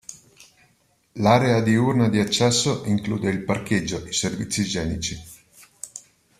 L'area diurna di accesso include il parcheggio, i servizi igienici.